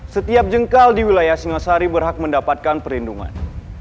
setiap jengkal di wilayah singosari berhak mendapatkan perlindungan